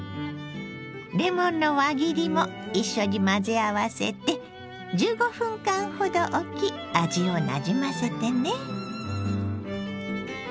レモンの輪切りも一緒に混ぜ合わせて１５分間ほどおき味をなじませてね。